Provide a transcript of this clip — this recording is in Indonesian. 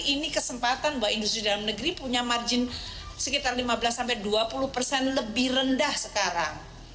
ini kesempatan bahwa industri dalam negeri punya margin sekitar lima belas dua puluh persen lebih rendah sekarang